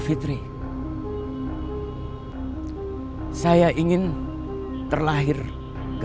pesannya buat dini untuk menjadi siapa